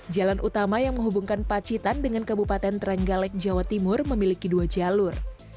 jalan utama yang menghubungkan pacitan dengan kabupaten terenggalek jawa timur memiliki dua jalur